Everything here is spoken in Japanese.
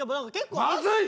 まずい！